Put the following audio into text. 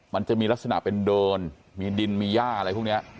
มันจะมีลักษณะเป็นเดินมีดินมีย่าอะไรพวกนี้